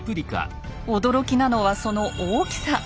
驚きなのはその大きさ。